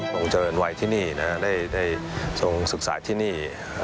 ส่งเจริญวัยที่นี่นะครับได้ส่งศึกษาที่นี่